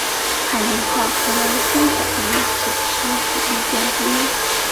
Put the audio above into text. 海容号成为新北洋水师主力舰之一。